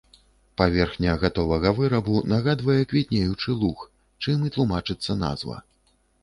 Паверхня гатовага вырабу нагадвае квітнеючы луг, чым і тлумачыцца назва.